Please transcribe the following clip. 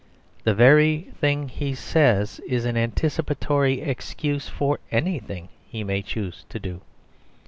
The very thing he says is an anticipatory excuse for anything he may choose to do.